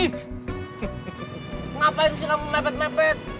ngapain sih kamu mepet mepet